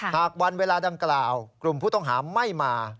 หากวันเวลาดังกล่าวกลุ่มผู้ต้องหาไม่มา